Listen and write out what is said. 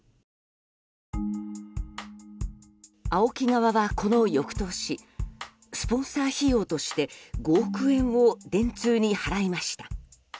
ＡＯＫＩ側はこの翌年スポンサー費用として５億円を電通に払いました。